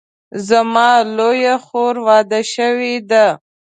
زما لویه خور واده شوې ده